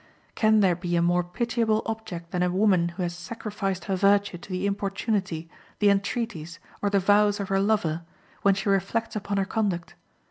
Can there be a more pitiable object than a woman who has sacrificed her virtue to the importunity, the entreaties, or the vows of her lover, when she reflects upon her conduct?